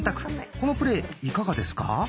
このプレーいかがですか？